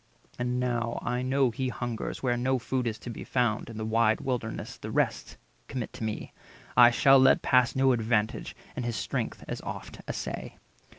230 And now I know he hungers, where no food Is to be found, in the wide Wilderness: The rest commit to me; I shall let pass No advantage, and his strength as oft assay."